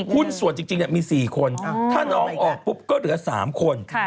หุ้นส่วนจริงมี๔คนถ้าน้องออกปุ๊บก็เหลือ๓คน